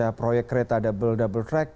seorang pekerja proyek kereta double double track